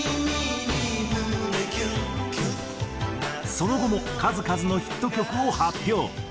その後も数々のヒット曲を発表。